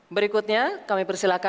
berikutnya kami persilakan